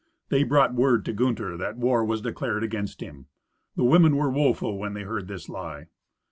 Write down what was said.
They brought word to Gunther that war was declared against him. The women were woeful when they heard this lie.